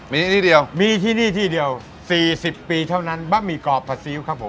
มีที่เดียวมีที่นี่ที่เดียว๔๐ปีเท่านั้นบะหมี่กรอบผัดซีอิ๊วครับผม